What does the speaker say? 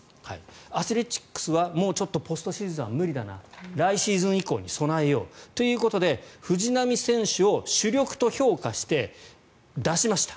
アスレチックスはちょっとポストシーズンは無理だなと来シーズン以降に備えようということで藤浪選手を主力と評価して出しました。